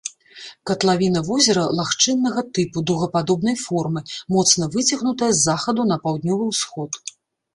Катлавіна возера лагчыннага тыпу дугападобнай формы, моцна выцягнутая з захаду на паўднёвы ўсход.